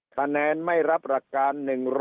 คะแนนไม่รับหลักการ๑๐๐